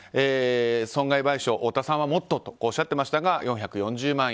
損害賠償、太田さんはもっととおっしゃってましたが４４０万円。